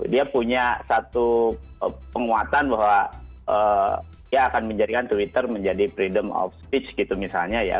dia punya satu penguatan bahwa dia akan menjadikan twitter menjadi freedom of speech gitu misalnya ya